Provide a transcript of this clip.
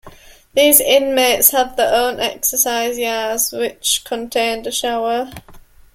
These inmates had their own exercise yards, which contained a shower.